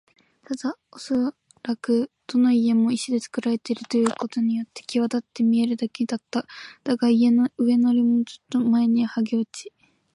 ただおそらくどの家も石でつくられているということによってきわだって見えるだけだった。だが、家々の上塗りもずっと前にはげ落ち、